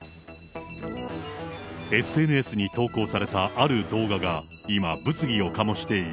ＳＮＳに投稿されたある動画が、今、物議を醸している。